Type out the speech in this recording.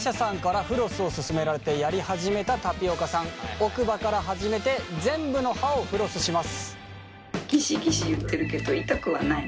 奥歯から始めて全部の歯をフロスします。